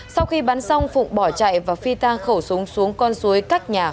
sau khi bắn xong phụng bỏ chạy và phi tang khẩu súng xuống con suối các nhà khu